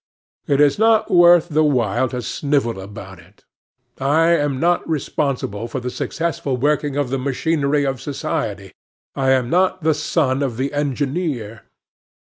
It is not worth the while to snivel about it. I am not responsible for the successful working of the machinery of society. I am not the son of the engineer.